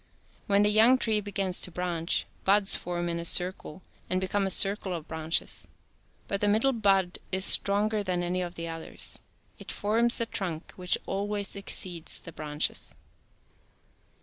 When the young tree begins to branch, buds form in a circle, and become a circle of branches. But the middle bud is stronger than any of the others. It forms the trunk which al /~'"\ ways exceeds the branches.